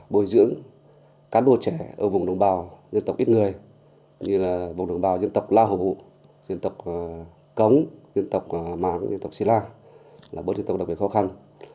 bồi dưỡng cán bộ trẻ ở vùng đồng bào dân tộc ít người như là vùng đồng bào dân tộc la hồ dân tộc cống dân tộc mảng dân tộc sĩ lan là bộ dân tộc đặc biệt khó khăn